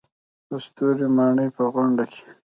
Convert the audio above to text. د ستوري ماڼۍ په غونډه کې.